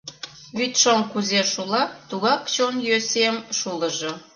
Вӱдшоҥ кузе шула, тугак чон йӧсем шулыжо.